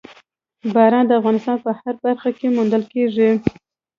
باران د افغانستان په هره برخه کې موندل کېږي.